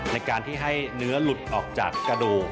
ในการที่ให้เนื้อหลุดออกจากกระดูก